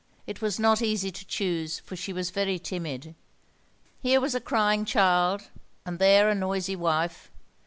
It was not easy to choose, for she was very timid. Here was a crying child, and there a noisy wife.